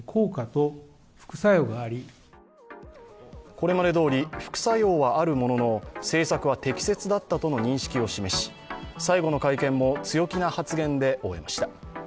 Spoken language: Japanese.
これまでどおり副作用はあるものの、政策は適切だったとの認識を示し、最後の会見も強気な発言で終えました。